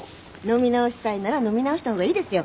飲み直したいなら飲み直した方がいいですよ。